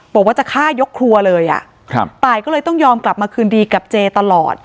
บอกว่าจะฆ่ายกครัวเลยอ่ะครับตายก็เลยต้องยอมกลับมาคืนดีกับเจตลอด